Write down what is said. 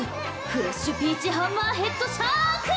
フレッシュピーチハンマーヘッドシャーク！